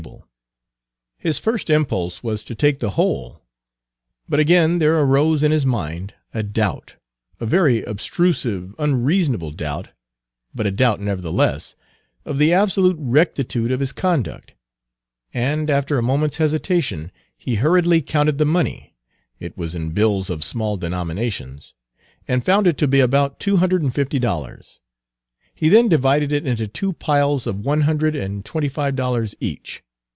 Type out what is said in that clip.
Page 225 His first impulse was to take the whole, but again there arose in his mind a doubt a very obtrusive, unreasonable doubt, but a doubt, nevertheless of the absolute rectitude of his conduct; and after a moment's hesitation he hurriedly counted the money it was in bills of small denominations and found it to be about two hundred and fifty dollars. He then divided it into two piles of one hundred and twenty five dollars each.